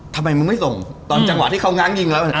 ทำไมมึงไม่ส่งตอนจังหวะที่เขาง้างยิงแล้ว